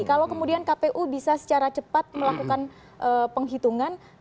kalau kemudian kpu bisa secara cepat melakukan penghitungan